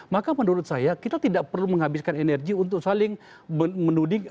maka menurut saya kita tidak perlu menghabiskan energi untuk saling menuding